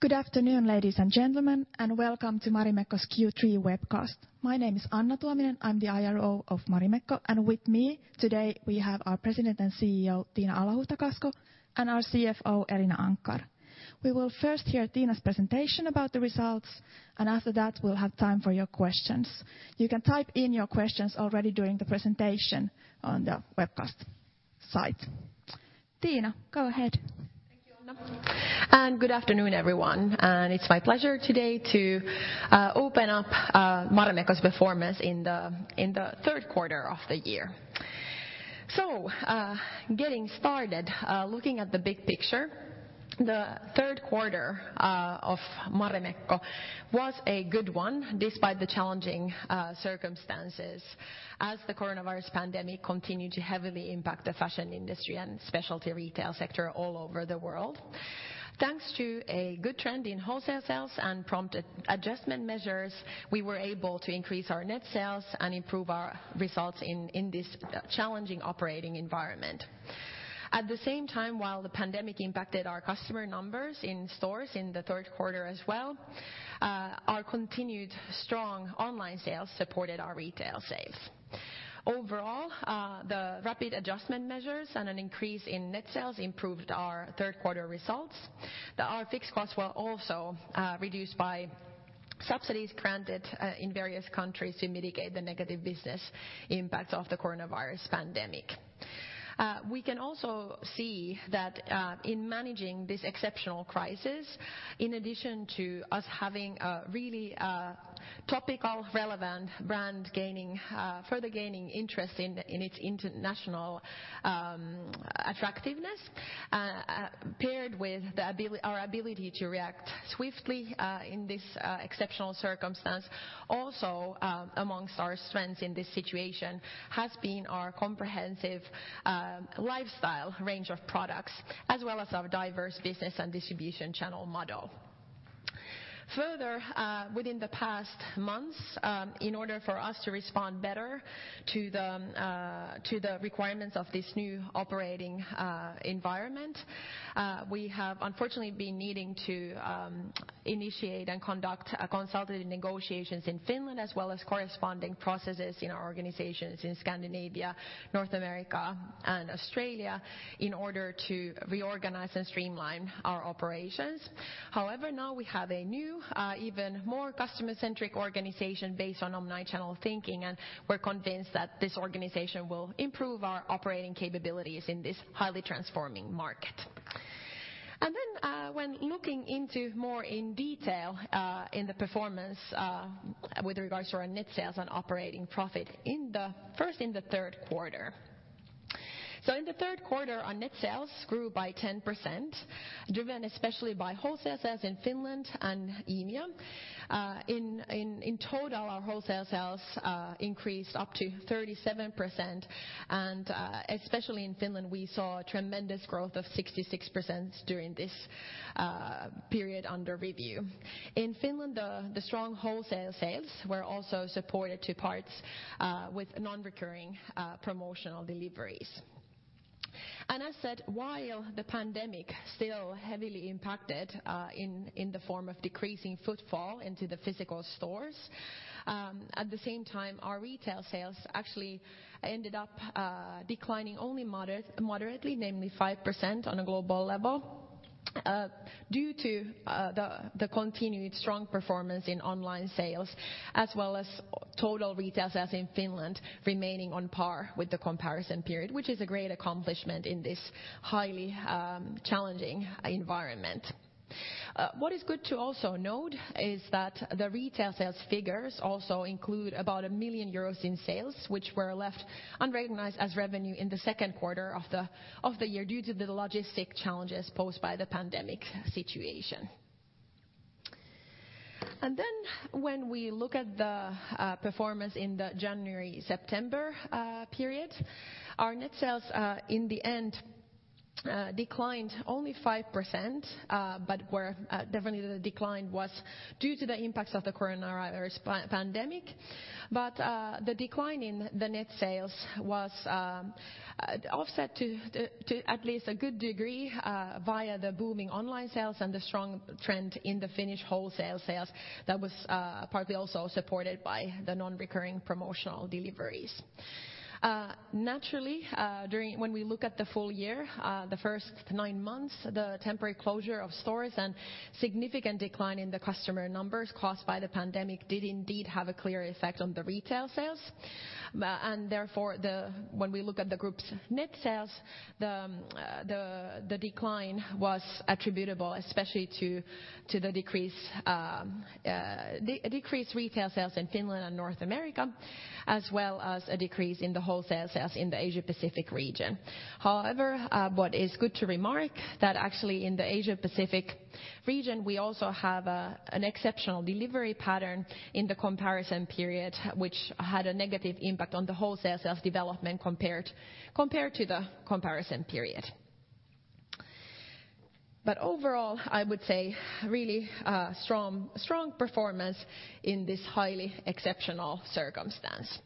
Good afternoon, ladies and gentlemen, and welcome to Marimekko's Q3 Webcast. My name is Anna Tuominen, I'm the IRO of Marimekko. With me today we have our President and CEO, Tiina Alahuhta-Kasko, and our CFO, Elina Anckar. We will first hear Tiina's presentation about the results. After that, we'll have time for your questions. You can type in your questions already during the presentation on the webcast site. Tiina, go ahead. Thank you, Anna. Good afternoon, everyone. It's my pleasure today to open up Marimekko's performance in the third quarter of the year. Getting started, looking at the big picture, the third quarter of Marimekko was a good one, despite the challenging circumstances as the coronavirus pandemic continued to heavily impact the fashion industry and specialty retail sector all over the world. Thanks to a good trend in wholesale sales and prompt adjustment measures, we were able to increase our net sales and improve our results in this challenging operating environment. At the same time, while the pandemic impacted our customer numbers in stores in the third quarter as well, our continued strong online sales supported our retail sales. Overall, the rapid adjustment measures and an increase in net sales improved our third quarter results. Our fixed costs were also reduced by subsidies granted in various countries to mitigate the negative business impacts of the coronavirus pandemic. We can also see that in managing this exceptional crisis, in addition to us having a really topical, relevant brand, further gaining interest in its international attractiveness, paired with our ability to react swiftly in this exceptional circumstance, also amongst our strengths in this situation has been our comprehensive lifestyle range of products, as well as our diverse business and distribution channel model. Further, within the past months, in order for us to respond better to the requirements of this new operating environment, we have unfortunately been needing to initiate and conduct change negotiations in Finland as well as corresponding processes in our organizations in Scandinavia, North America, and Australia in order to reorganize and streamline our operations. Now we have a new, even more customer-centric organization based on omnichannel thinking, and we're convinced that this organization will improve our operating capabilities in this highly transforming market. When looking into more in detail in the performance with regards to our net sales and operating profit first in the third quarter. In the third quarter, our net sales grew by 10%, driven especially by wholesale sales in Finland and EMEA. In total, our wholesale sales increased up to 37%, and especially in Finland we saw a tremendous growth of 66% during this period under review. In Finland, the strong wholesale sales were also supported to parts with non-recurring promotional deliveries. As said, while the pandemic still heavily impacted in the form of decreasing footfall into the physical stores, at the same time, our retail sales actually ended up declining only moderately, namely 5% on a global level, due to the continued strong performance in online sales as well as total retail sales in Finland remaining on par with the comparison period, which is a great accomplishment in this highly challenging environment. What is good to also note is that the retail sales figures also include about 1 million euros in sales, which were left unrecognized as revenue in the second quarter of the year due to the logistic challenges posed by the pandemic situation. When we look at the performance in the January-September period, our net sales in the end declined only 5%, but definitely the decline was due to the impacts of the coronavirus pandemic. The decline in the net sales was offset to at least a good degree via the booming online sales and the strong trend in the Finnish wholesale sales that was partly also supported by the non-recurring promotional deliveries. Naturally, when we look at the full year, the first nine months, the temporary closure of stores and significant decline in the customer numbers caused by the pandemic did indeed have a clear effect on the retail sales. Therefore, when we look at the group's net sales, the decline was attributable especially to the decreased retail sales in Finland and North America, as well as a decrease in the wholesale sales in the Asia Pacific region. What is good to remark, that actually in the Asia Pacific region, we also have an exceptional delivery pattern in the comparison period, which had a negative impact on the wholesale sales development compared to the comparison period. Overall, I would say really strong performance in this highly exceptional circumstance.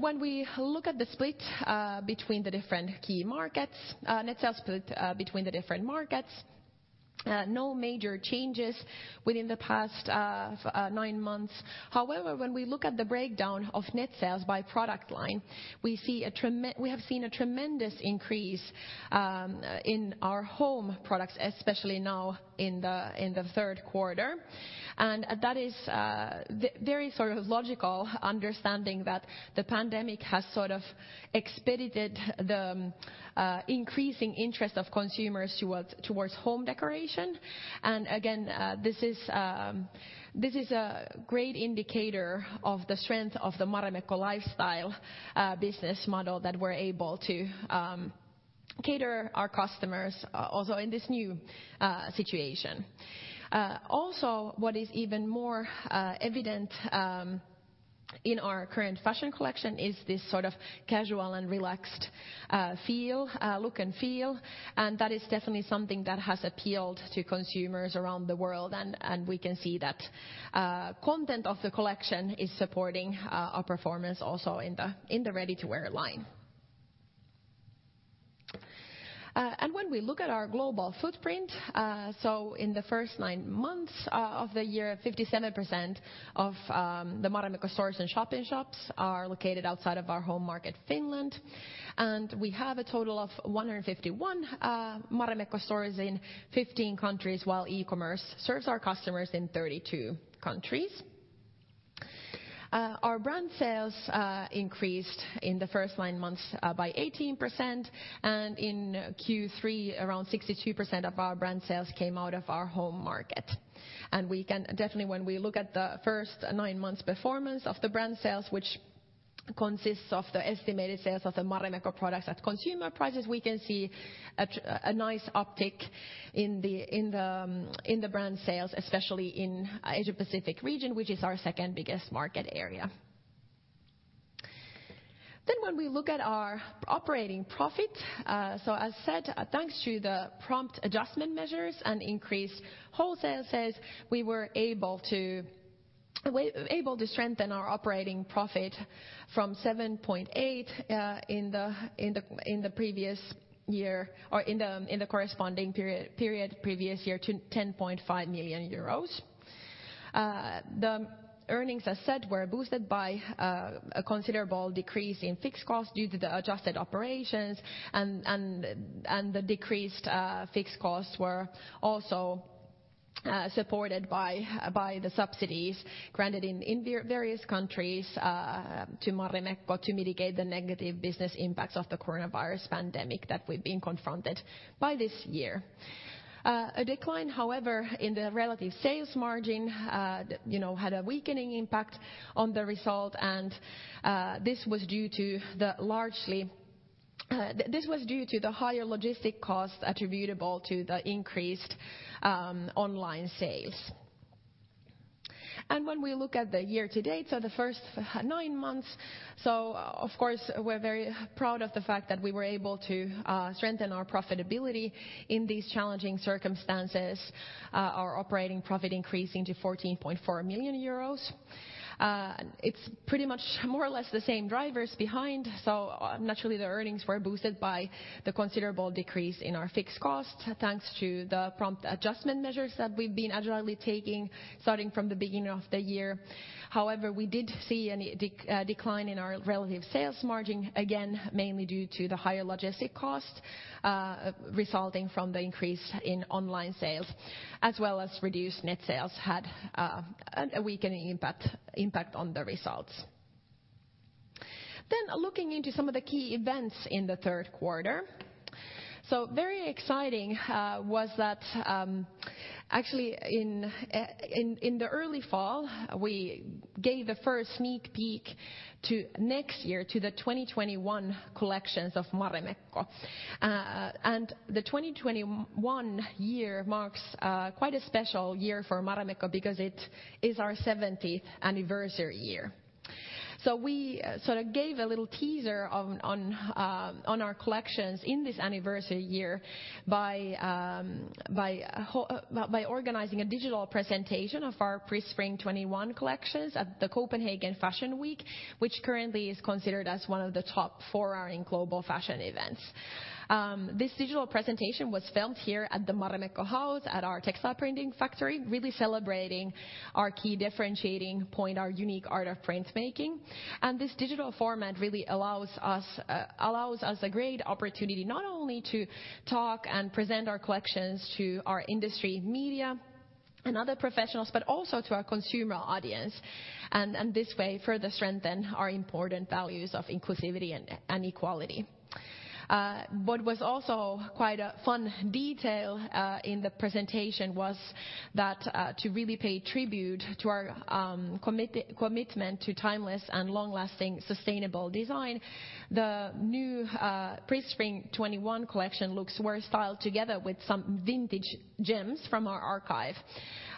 When we look at the split between the different key markets, net sales split between the different markets, no major changes within the past nine months. When we look at the breakdown of net sales by product line, we have seen a tremendous increase in our home products, especially now in the third quarter. That is very logical, understanding that the pandemic has expedited the increasing interest of consumers towards home decoration. Again, this is a great indicator of the strength of the Marimekko lifestyle business model that we're able to cater our customers also in this new situation. What is even more evident in our current fashion collection is this casual and relaxed look and feel, and that is definitely something that has appealed to consumers around the world. We can see that content of the collection is supporting our performance also in the ready-to-wear line. When we look at our global footprint, so in the first nine months of the year, 57% of the Marimekko stores and shop-in-shops are located outside of our home market, Finland, and we have a total of 151 Marimekko stores in 15 countries, while e-commerce serves our customers in 32 countries. Our brand sales increased in the first nine months by 18%, and in Q3, around 62% of our brand sales came out of our home market. We can definitely, when we look at the first nine months' performance of the brand sales, which consists of the estimated sales of the Marimekko products at consumer prices, we can see a nice uptick in the brand sales, especially in Asia Pacific region, which is our second-biggest market area. When we look at our operating profit, so as said, thanks to the prompt adjustment measures and increased wholesale sales, we were able to strengthen our operating profit from 7.8 in the previous year, or in the corresponding period previous year, to 10.5 million euros. The earnings, as said, were boosted by a considerable decrease in fixed costs due to the adjusted operations. The decreased fixed costs were also supported by the subsidies granted in various countries to Marimekko to mitigate the negative business impacts of the coronavirus pandemic that we've been confronted by this year. A decline, however, in the relative sales margin had a weakening impact on the result. This was due to the higher logistic costs attributable to the increased online sales. When we look at the year to date, so the first nine months, so of course, we're very proud of the fact that we were able to strengthen our profitability in these challenging circumstances, our operating profit increasing to 14.4 million euros. It's pretty much more or less the same drivers behind. Naturally, the earnings were boosted by the considerable decrease in our fixed costs, thanks to the prompt adjustment measures that we've been agilely taking starting from the beginning of the year. However, we did see a decline in our relative sales margin, again, mainly due to the higher logistic costs resulting from the increase in online sales, as well as reduced net sales had a weakening impact on the results. Looking into some of the key events in the third quarter. Very exciting was that actually in the early fall, we gave the first sneak peek to next year, to the 2021 collections of Marimekko. The 2021 year marks quite a special year for Marimekko because it is our 70th anniversary year. We gave a little teaser on our collections in this anniversary year by organizing a digital presentation of our pre-spring 2021 collections at the Copenhagen Fashion Week, which currently is considered as one of the top four in global fashion events. This digital presentation was filmed here at the Marimekko House at our textile printing factory, really celebrating our key differentiating point, our unique art of printmaking. This digital format really allows us a great opportunity not only to talk and present our collections to our industry media and other professionals, but also to our consumer audience. This way, further strengthen our important values of inclusivity and equality. What was also quite a fun detail in the presentation was that to really pay tribute to our commitment to timeless and long-lasting sustainable design, the new pre-spring 2021 collection looks were styled together with some vintage gems from our archive.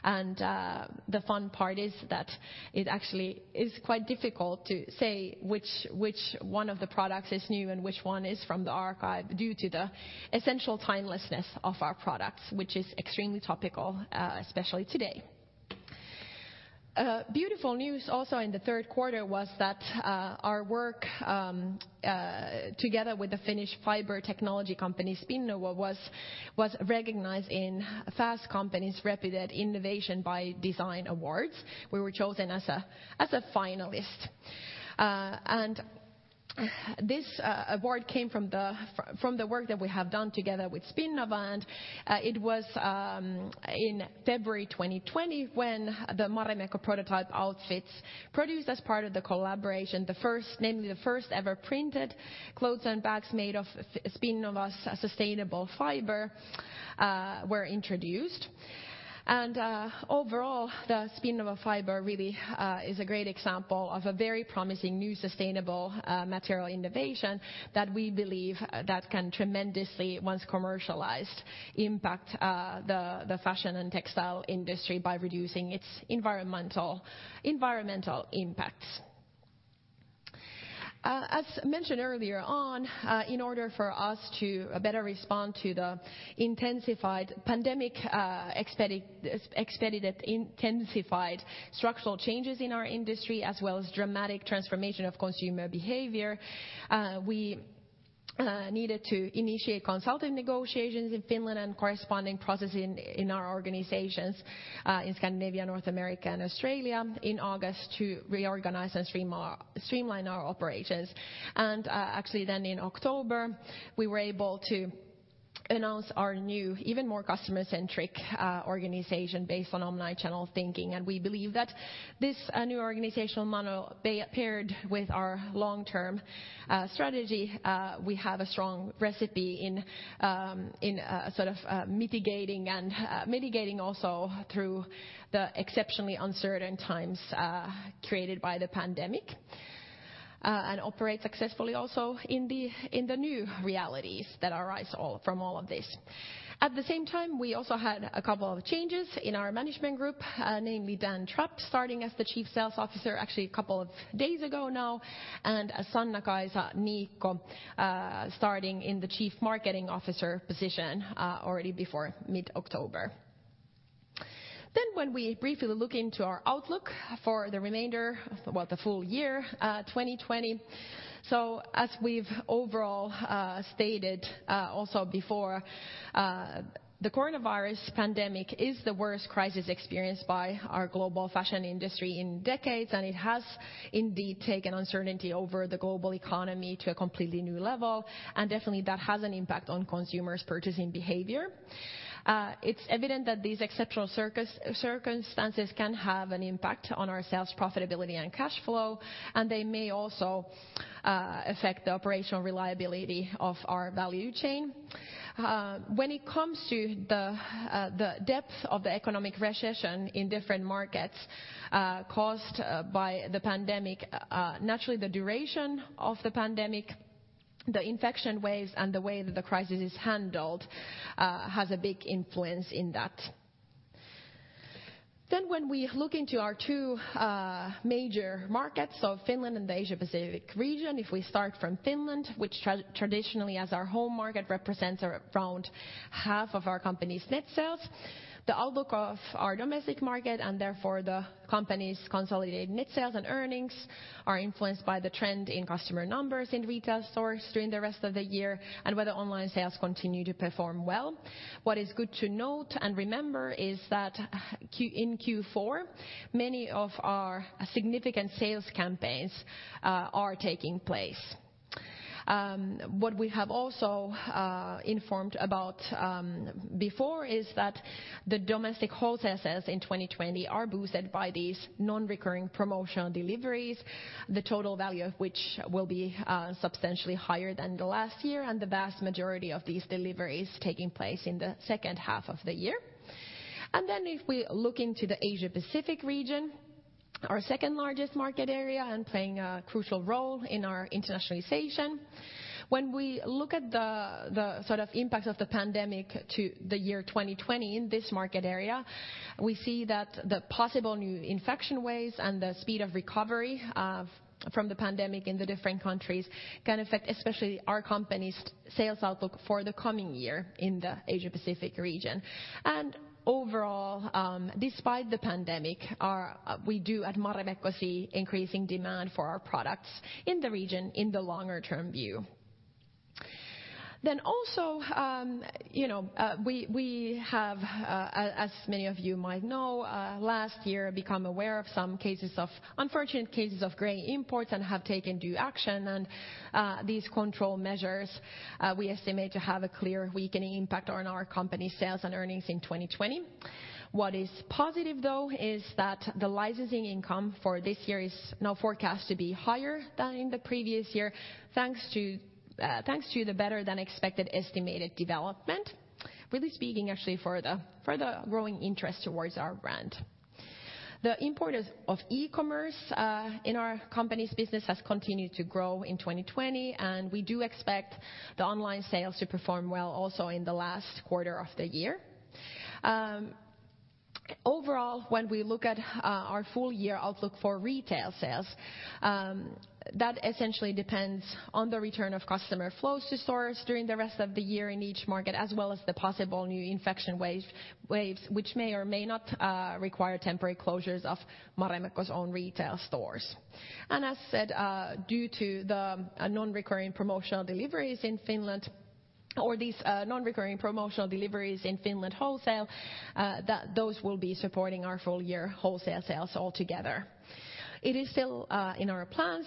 The fun part is that it actually is quite difficult to say which one of the products is new and which one is from the archive due to the essential timelessness of our products, which is extremely topical, especially today. Beautiful news also in the third quarter was that our work together with the Finnish fiber technology company Spinnova was recognized in Fast Company's reputed Innovation by Design Awards. We were chosen as a finalist. This award came from the work that we have done together with Spinnova. It was in February 2020 when the Marimekko prototype outfits produced as part of the collaboration, namely the first ever printed clothes and bags made of Spinnova's sustainable fiber, were introduced. Overall, the Spinnova fiber really is a great example of a very promising new sustainable material innovation that we believe that can tremendously, once commercialized, impact the fashion and textile industry by reducing its environmental impacts. As mentioned earlier on, in order for us to better respond to the intensified pandemic, expedited, intensified structural changes in our industry, as well as dramatic transformation of consumer behavior, we needed to initiate change negotiations in Finland and corresponding processing in our organizations in Scandinavia, North America, and Australia in August to reorganize and streamline our operations. Actually then in October, we were able to announce our new, even more customer-centric organization based on omnichannel thinking. We believe that this new organizational model paired with our long-term strategy we have a strong recipe in mitigating also through the exceptionally uncertain times created by the pandemic, and operate successfully also in the new realities that arise from all of this. At the same time, we also had a couple of changes in our management group, namely Dan Trapp starting as the Chief Sales Officer actually a couple of days ago now, and Sanna-Kaisa Niikko starting in the Chief Marketing Officer position already before mid-October. When we briefly look into our outlook for the remainder of the full year 2020. As we've overall stated also before, the coronavirus pandemic is the worst crisis experienced by our global fashion industry in decades, and it has indeed taken uncertainty over the global economy to a completely new level. Definitely that has an impact on consumers' purchasing behavior. It's evident that these exceptional circumstances can have an impact on our sales profitability and cash flow, and they may also affect the operational reliability of our value chain. When it comes to the depth of the economic recession in different markets caused by the pandemic, naturally the duration of the pandemic, the infection waves, and the way that the crisis is handled has a big influence in that. When we look into our two major markets of Finland and the Asia-Pacific region, if we start from Finland, which traditionally as our home market represents around half of our company's net sales, the outlook of our domestic market and therefore the company's consolidated net sales and earnings are influenced by the trend in customer numbers in retail stores during the rest of the year, and whether online sales continue to perform well. What is good to note and remember is that in Q4, many of our significant sales campaigns are taking place. What we have also informed about before is that the domestic wholesales in 2020 are boosted by these non-recurring promotional deliveries, the total EUR value of which will be substantially higher than the last year and the vast majority of these deliveries taking place in the second half of the year. If we look into the Asia-Pacific region, our second largest market area and playing a crucial role in our internationalization, when we look at the impact of the pandemic to the year 2020 in this market area, we see that the possible new infection waves and the speed of recovery from the pandemic in the different countries can affect especially our company's sales outlook for the coming year in the Asia-Pacific region. Overall, despite the pandemic, we do at Marimekko see increasing demand for our products in the region in the longer term view. We have, as many of you might know, last year become aware of some unfortunate cases of gray imports and have taken due action on these control measures we estimate to have a clear weakening impact on our company sales and earnings in 2020. What is positive though is that the licensing income for this year is now forecast to be higher than in the previous year, thanks to the better than expected estimated development, really speaking actually for the growing interest towards our brand. The import of e-commerce in our company's business has continued to grow in 2020, and we do expect the online sales to perform well also in the last quarter of the year. Overall, when we look at our full-year outlook for retail sales, that essentially depends on the return of customer flows to stores during the rest of the year in each market, as well as the possible new infection waves, which may or may not require temporary closures of Marimekko's own retail stores. As said, due to the non-recurring promotional deliveries in Finland, or these non-recurring promotional deliveries in Finland wholesale, those will be supporting our full-year wholesale sales altogether. It is still in our plans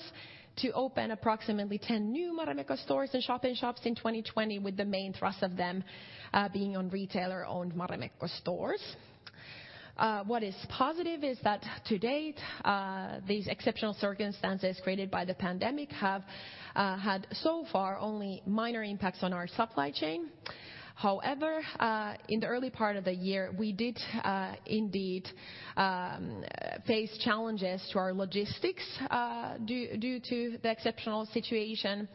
to open approximately 10 new Marimekko stores and shop-in-shops in 2020, with the main thrust of them being on retailer-owned Marimekko stores. What is positive is that to date, these exceptional circumstances created by the pandemic have had so far only minor impacts on our supply chain. However, in the early part of the year, we did indeed face challenges to our logistics due to the exceptional situation.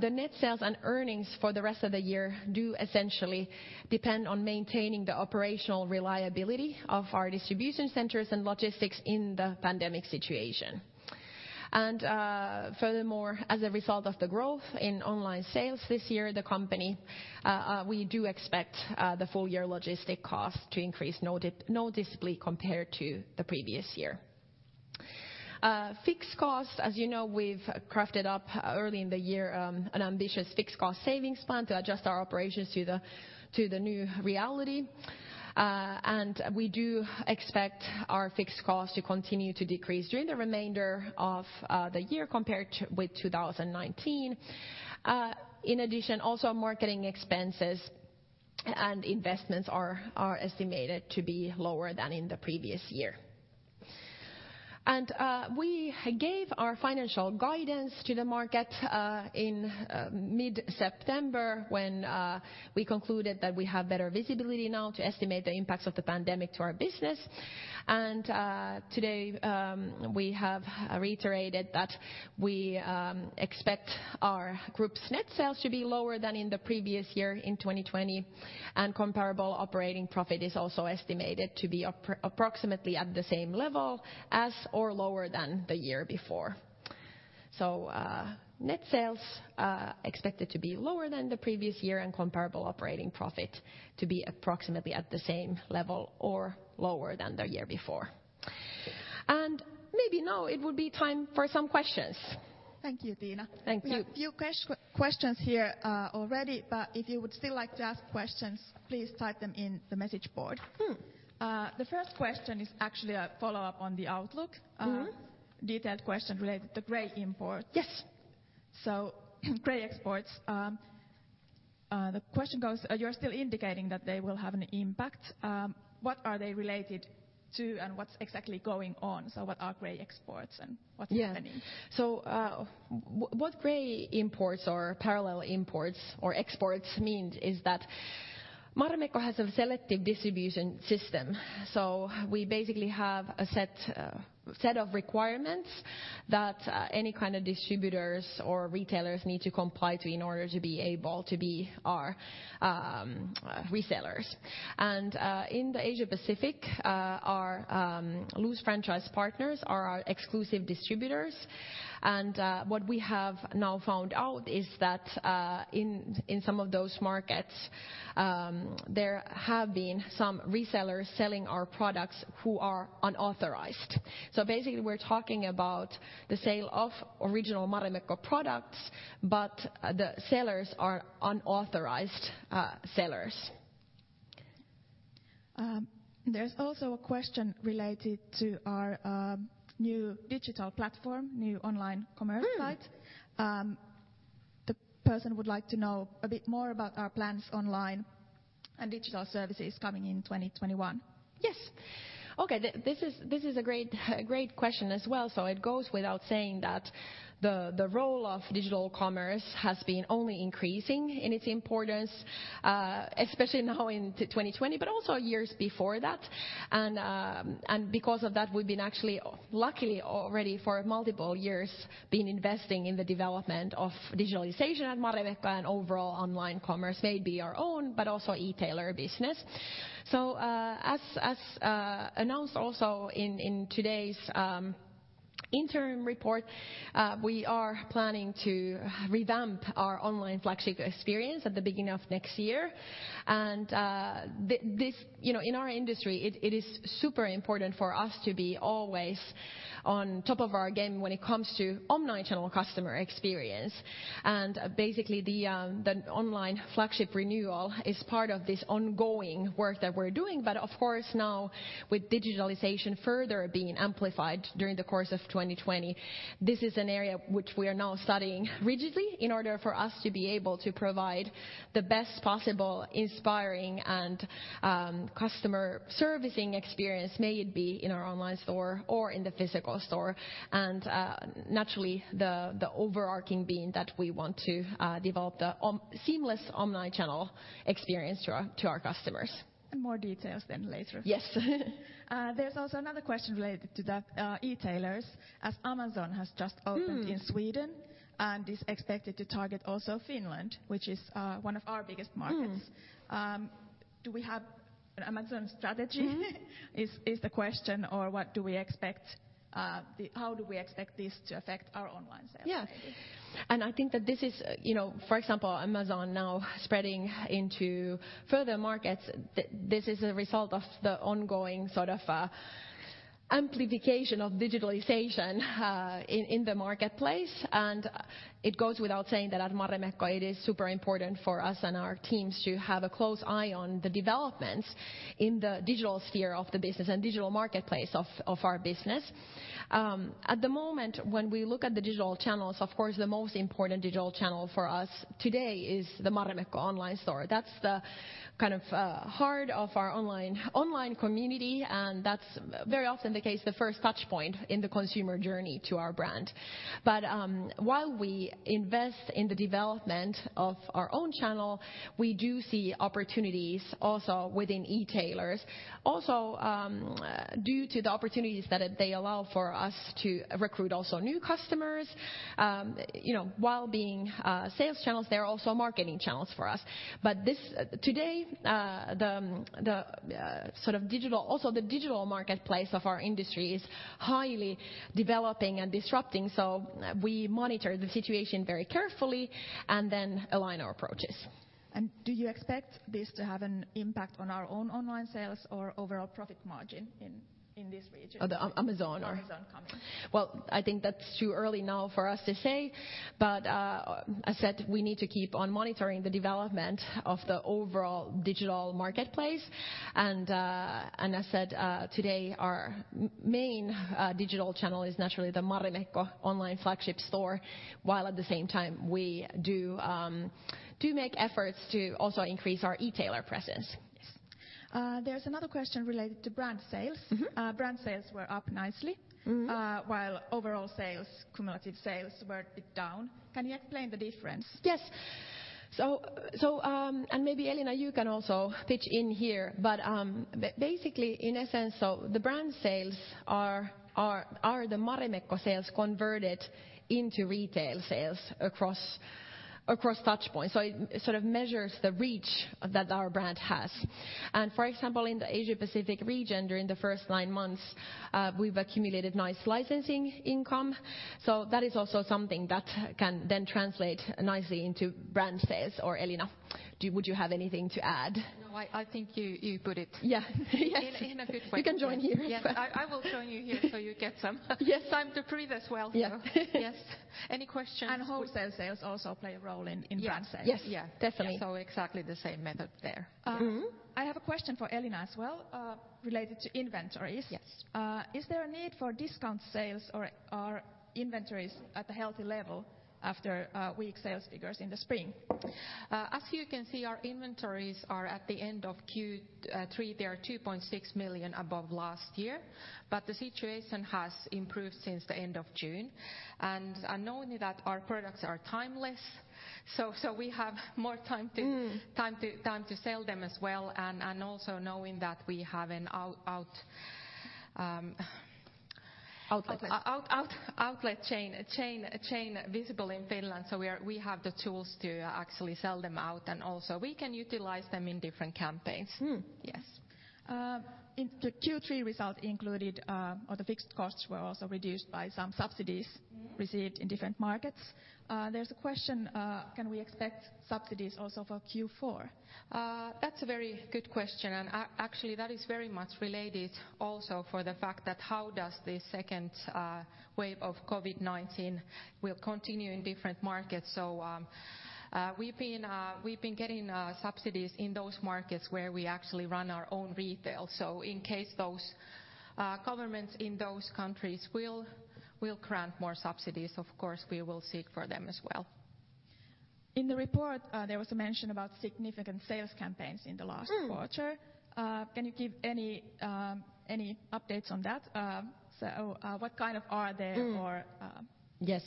The net sales and earnings for the rest of the year do essentially depend on maintaining the operational reliability of our distribution centers and logistics in the pandemic situation. Furthermore, as a result of the growth in online sales this year, we do expect the full-year logistic cost to increase noticeably compared to the previous year. Fixed cost, as you know, we've crafted up early in the year an ambitious fixed cost savings plan to adjust our operations to the new reality. We do expect our fixed cost to continue to decrease during the remainder of the year compared with 2019. In addition, also marketing expenses and investments are estimated to be lower than in the previous year. We gave our financial guidance to the market in mid-September when we concluded that we have better visibility now to estimate the impacts of the pandemic to our business. Today, we have reiterated that we expect our group's net sales to be lower than in the previous year in 2020. Comparable operating profit is also estimated to be approximately at the same level as or lower than the year before. Net sales are expected to be lower than the previous year and comparable operating profit to be approximately at the same level or lower than the year before. Maybe now it would be time for some questions. Thank you, Tiina. Thank you. We have a few questions here already, but if you would still like to ask questions, please type them in the message board. The first question is actually a follow-up on the outlook. Detailed question related to gray imports. Yes. Gray exports. The question goes, you're still indicating that they will have an impact. What are they related to and what's exactly going on? What are gray exports and what's happening? Yeah. What gray imports or parallel imports or exports means is that Marimekko has a selective distribution system. We basically have a set of requirements that any kind of distributors or retailers need to comply to in order to be able to be our resellers. In the Asia Pacific, our loose franchise partners are our exclusive distributors. What we have now found out is that in some of those markets, there have been some resellers selling our products who are unauthorized. Basically, we're talking about the sale of original Marimekko products, but the sellers are unauthorized sellers. There's also a question related to our new digital platform, new online commerce site. The person would like to know a bit more about our plans online and digital services coming in 2021. Yes. Okay. This is a great question as well. It goes without saying that the role of digital commerce has been only increasing in its importance, especially now in 2020, but also years before that. Because of that, we've been actually, luckily, already for multiple years, been investing in the development of digitalization at Marimekko and overall online commerce, may it be our own, but also e-tailer business. As announced also in today's interim report, we are planning to revamp our online flagship experience at the beginning of next year. In our industry, it is super important for us to be always on top of our game when it comes to omnichannel customer experience. Basically, the online flagship renewal is part of this ongoing work that we're doing. Of course, now with digitalization further being amplified during the course of 2020, this is an area which we are now studying rigidly in order for us to be able to provide the best possible inspiring and customer servicing experience, may it be in our online store or in the physical store. Naturally, the overarching being that we want to develop the seamless omnichannel experience to our customers. More details then later. Yes. There's also another question related to that, e-tailers. In Sweden and is expected to target also Finland, which is one of our biggest markets. Do we have an Amazon strategy is the question, or How do we expect this to affect our online sales? Yes. I think that this is, for example, Amazon now spreading into further markets, this is a result of the ongoing sort of amplification of digitalization in the marketplace. It goes without saying that at Marimekko, it is super important for us and our teams to have a close eye on the developments in the digital sphere of the business and digital marketplace of our business. At the moment, when we look at the digital channels, of course, the most important digital channel for us today is the Marimekko online store. That's the kind of heart of our online community, and that's very often the case, the first touch point in the consumer journey to our brand. While we invest in the development of our own channel, we do see opportunities also within e-tailers. Also, due to the opportunities that they allow for us to recruit also new customers, while being sales channels, they're also marketing channels for us. Today, also the digital marketplace of our industry is highly developing and disrupting. We monitor the situation very carefully and then align our approaches. Do you expect this to have an impact on our own online sales or overall profit margin in this region? The Amazon coming. Well, I think that's too early now for us to say, but as I said, we need to keep on monitoring the development of the overall digital marketplace. As I said, today our main digital channel is naturally the Marimekko online flagship store, while at the same time we do make efforts to also increase our e-tailer presence. Yes. There's another question related to brand sales. Brand sales were up nicely. While overall sales, cumulative sales, were a bit down. Can you explain the difference? Yes. And maybe Elina Anckar, you can also pitch in here, but basically, in a sense, the brand sales are the Marimekko sales converted into retail sales across touchpoints. It sort of measures the reach that our brand has. For example, in the Asia-Pacific region during the first nine months, we've accumulated nice licensing income. That is also something that can then translate nicely into brand sales. Elina Anckar, would you have anything to add? No, I think you put it- Yeah In a good way. You can join here as well. Yes. I will join you here. Yes time to breathe as well. Yeah. Yes. Any questions? Wholesale sales also play a role in brand sales. Yes. Definitely. Exactly the same method there. I have a question for Elina as well, related to inventories. Yes. Is there a need for discount sales or are inventories at a healthy level after weak sales figures in the spring? As you can see, our inventories are at the end of Q3, they are 2.6 million above last year. The situation has improved since the end of June. Knowing that our products are timeless, we have more time to sell them as well, also knowing that we have an. Outlet outlet chain visible in Finland, so we have the tools to actually sell them out and also we can utilize them in different campaigns. Yes. In the Q3 result included, or the fixed costs were also reduced by some subsidies received in different markets. There's a question, can we expect subsidies also for Q4? That's a very good question, and actually that is very much related also for the fact that how does the second wave of COVID-19 will continue in different markets. We've been getting subsidies in those markets where we actually run our own retail. In case those governments in those countries will grant more subsidies, of course, we will seek for them as well. In the report, there was a mention about significant sales campaigns in the last quarter. Can you give any updates on that? What kind of are they or. Yes.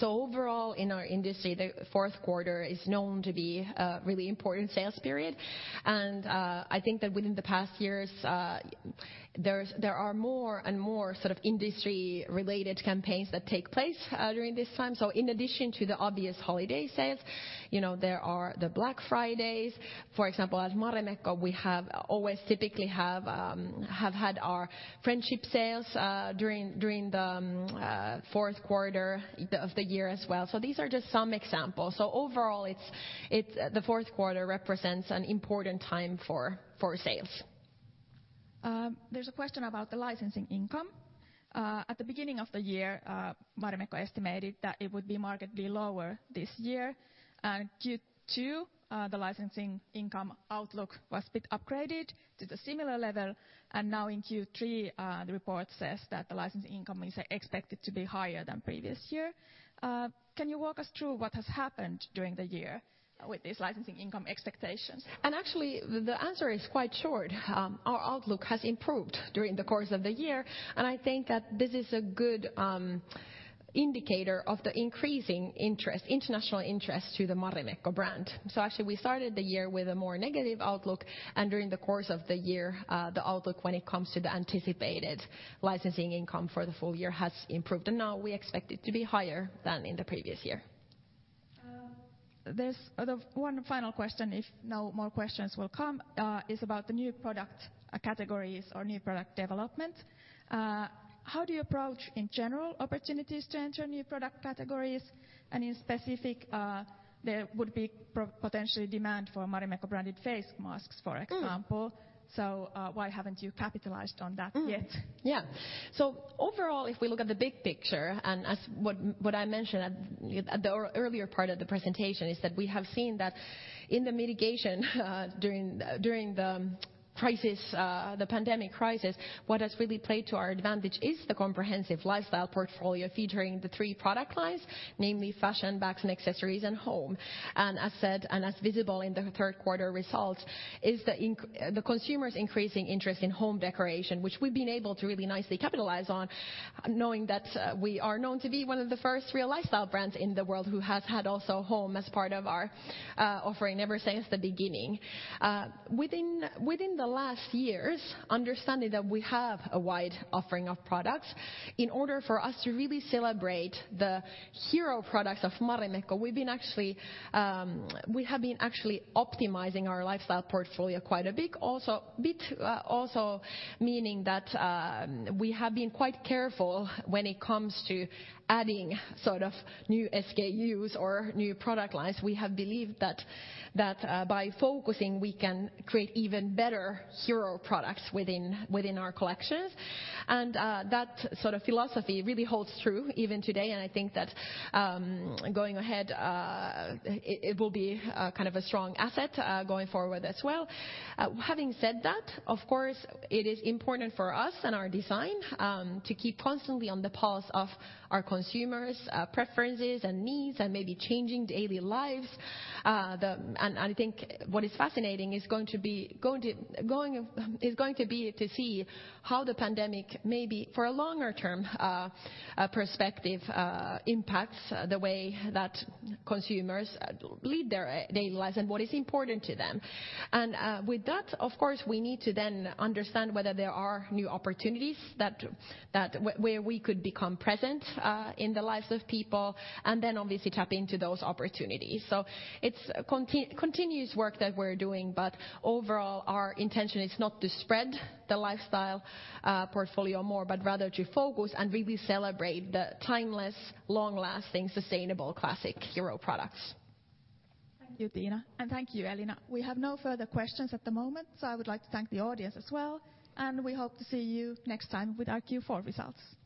Overall in our industry, the fourth quarter is known to be a really important sales period, and I think that within the past years, there are more and more sort of industry related campaigns that take place during this time. In addition to the obvious holiday sales, there are the Black Friday, for example, at Marimekko, we have always typically had our Friendship Sales during the fourth quarter of the year as well. These are just some examples. Overall, the fourth quarter represents an important time for sales. There's a question about the licensing income. At the beginning of the year, Marimekko estimated that it would be markedly lower this year. Q2, the licensing income outlook was bit upgraded to the similar level. Now in Q3, the report says that the licensing income is expected to be higher than previous year. Can you walk us through what has happened during the year with these licensing income expectations? Actually, the answer is quite short. Our outlook has improved during the course of the year, and I think that this is a good indicator of the increasing interest, international interest to the Marimekko brand. Actually, we started the year with a more negative outlook, and during the course of the year, the outlook when it comes to the anticipated licensing income for the full year has improved, and now we expect it to be higher than in the previous year. There's one final question, if no more questions will come, is about the one new product categories or new product development. How do you approach, in general, opportunities to enter new product categories and in specific, there would be potentially demand for Marimekko-branded face masks, for example. Why haven't you capitalized on that yet? Overall, if we look at the big picture, and as what I mentioned at the earlier part of the presentation, is that we have seen that in the mitigation during the pandemic crisis, what has really played to our advantage is the comprehensive lifestyle portfolio featuring the three product lines, namely fashion, bags and accessories, and home. As said, and as visible in the third quarter results, is the consumer's increasing interest in home decoration, which we've been able to really nicely capitalize on, knowing that we are known to be one of the first real lifestyle brands in the world who has had also home as part of our offering ever since the beginning within the last years, understanding that we have a wide offering of products, in order for us to really celebrate the hero products of Marimekko, we have been actually optimizing our lifestyle portfolio quite a bit. Meaning that we have been quite careful when it comes to adding new SKUs or new product lines. We have believed that by focusing, we can create even better hero products within our collections. That sort of philosophy really holds true even today, and I think that going ahead it will be a strong asset going forward as well. Having said that, of course, it is important for us and our design to keep constantly on the pulse of our consumers' preferences and needs and maybe changing daily lives. I think what is fascinating is going to be to see how the pandemic may be for a longer term perspective impacts the way that consumers lead their daily lives and what is important to them. With that, of course, we need to then understand whether there are new opportunities where we could become present in the lives of people, and then obviously tap into those opportunities. It's continuous work that we're doing, but overall, our intention is not to spread the lifestyle portfolio more, but rather to focus and really celebrate the timeless, long-lasting, sustainable, classic hero products. Thank you, Tiina. Thank you, Elina. We have no further questions at the moment. I would like to thank the audience as well. We hope to see you next time with our Q4 results.